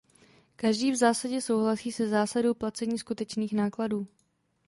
Každý v zásadě souhlasí se zásadou placení skutečných nákladů.